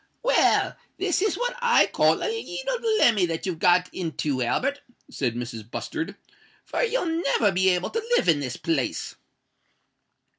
"Well—this is what I call a leetle dilemmy that you're got into, Albert," said Mrs. Bustard; "for you'll never be able to live in this place."